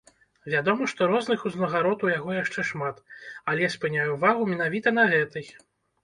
Вядома, што розных узнагарод у яго яшчэ шмат, але спыняю ўвагу менавіта на гэтай.